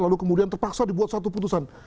lalu kemudian terpaksa dibuat satu putusan